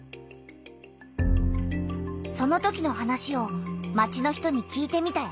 そのときの話を町の人に聞いてみたよ。